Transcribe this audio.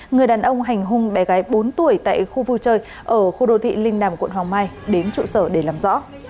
người đàn ông hành hung bé gái bốn tuổi tại khu vui chơi ở khu đô thị linh đàm quận hoàng mai đến trụ sở để làm rõ